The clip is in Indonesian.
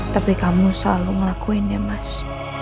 tapi kamu selalu ngelakuin ya mas